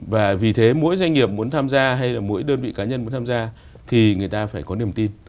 và vì thế mỗi doanh nghiệp muốn tham gia hay là mỗi đơn vị cá nhân muốn tham gia thì người ta phải có niềm tin